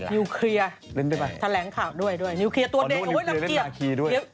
นิ้วเคลียร์แสลงข่าวด้วยนิ้วเคลียร์ตัวเด่นอ๋อนิ้วเคลียร์เล่นนาคีด้วย